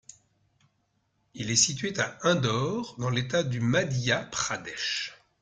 Il est situé à Indore dans l'État du Madhya Pradesh.